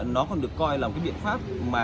nó còn được coi là một cái biện pháp